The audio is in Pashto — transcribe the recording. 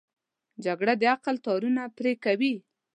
جګړه د عقل تارونه پرې کوي